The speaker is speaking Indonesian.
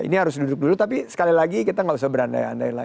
ini harus duduk dulu tapi sekali lagi kita nggak usah berandai andai